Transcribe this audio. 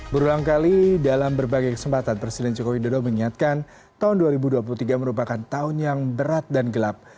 berulang kali dalam berbagai kesempatan presiden joko widodo mengingatkan tahun dua ribu dua puluh tiga merupakan tahun yang berat dan gelap